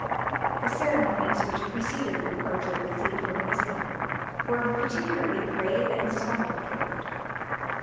The ceremonies which preceded the departure of the fleet from Lisbon were of a particularly grave and solemn character.